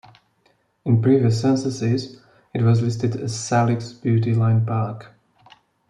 In previous censuses it was listed as Salix-Beauty Line Park.